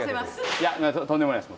いやとんでもないです